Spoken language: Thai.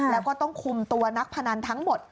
แล้วก็ต้องคุมตัวนักพนันทั้งหมด